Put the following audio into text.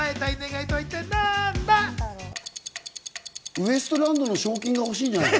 ウエストランドの賞金が欲しいんじゃないの？